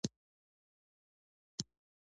ښوونځی د زده کوونکو لپاره دویم کور دی.